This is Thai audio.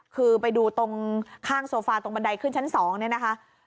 คือไปดูตรงข้างโซฟาตรงบันไดขึ้นชั้น๒เนี่ยนะคะ